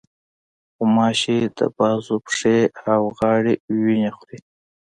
غوماشې د بازو، پښې، او غاړې وینه خوري.